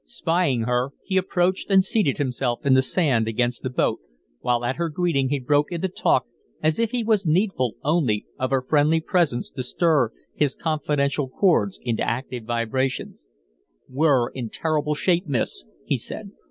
Spying her, he approached and seated himself in the sand against the boat, while at her greeting he broke into talk as if he was needful only of her friendly presence to stir his confidential chords into active vibration. "We're in turrible shape, miss," he said.